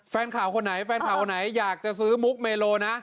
แฟนข่าวคนไหนแฟนข่าวไหนอยากจะซื้อมุกเมโลนะ